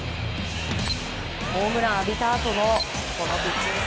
ホームランを浴びたあともこのピッチング。